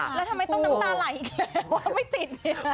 แล้วทำไมต้องน้ำตาไหลอีกแล้ว